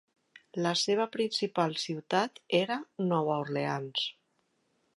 La seva principal ciutat era Nova Orleans.